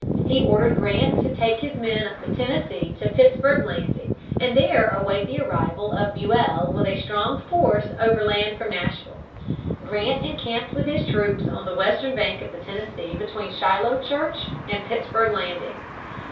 He ordered Grant to take his men up the Tennessee to Pittsburg Landing and there await the arrival of Buell with a strong force overland from Nashville. Grant encamped with his troops on the western bank of the Tennessee between Shiloh Church and Pittsburg Landing.